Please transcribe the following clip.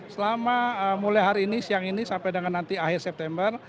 selama mulai hari ini siang ini sampai dengan nanti akhir september